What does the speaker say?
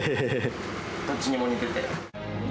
どっちにも似てて。